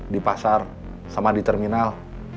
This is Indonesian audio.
di pasar sama di terminal